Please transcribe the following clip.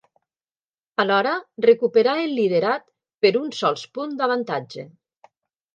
Alhora recuperà el liderat per un sols punt d'avantatge.